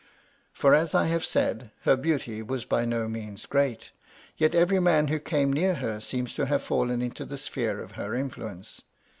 For, as I have said, her beauty was by no means great ; yet every man who came near her seems to have fallen into the sphere of her influence.